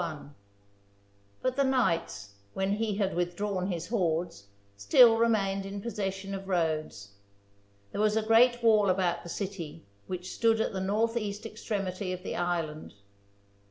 But the knights, when he had withdrawn his hordes, still remained in possession of Rhodes. There was a great wall about the city, which stood at the northeast extremity of the island.